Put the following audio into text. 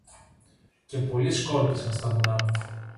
Και πολλοί σκόρπισαν στα βουνά